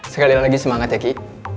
sekali lagi semangat ya ki